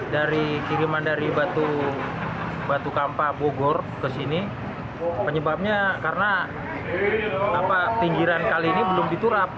dari kiriman dari batu kampa bogor ke sini penyebabnya karena pinggiran kali ini belum diturap